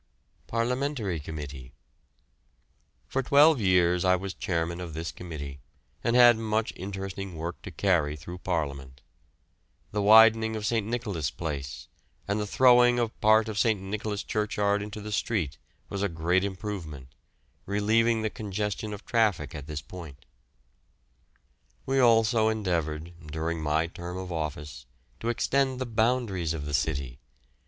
PARLIAMENTARY COMMITTEE. For twelve years I was chairman of this committee, and had much interesting work to carry through Parliament. The widening of St. Nicholas' Place and the throwing of part of St. Nicholas' churchyard into the street was a great improvement, relieving the congestion of traffic at this point. We also endeavoured, during my term of office, to extend the boundaries of the city.